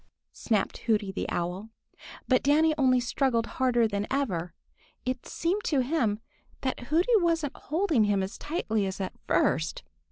snapped Hooty the Owl. But Danny only struggled harder than ever. It seemed to him that Hooty wasn't holding him as tightly as at first.